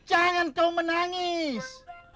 jangan kau menangis